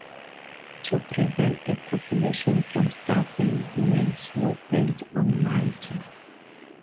To prevent the population from starving, mills were built on Malta.